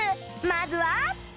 まずは